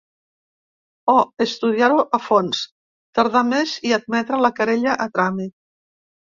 O estudiar-ho a fons, tardar més i admetre la querella a tràmit.